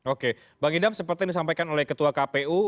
oke bang gendam sempat disampaikan oleh ketua kpu